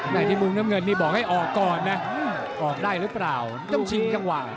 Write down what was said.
แน่ที่มึงน้ำเงินนี่บอกให้ออกก่อนนะออกได้รึเปล่าไม่ต้องชิงขวา